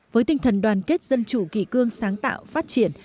với tinh thần đoàn kết dân chủ kỳ cương sáng tạo phát triển